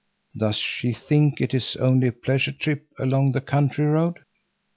Does she think it is only a pleasure trip along the country road?